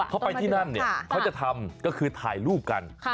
เขาไปที่นั่นเนี่ยเขาจะทำก็คือถ่ายรูปกัน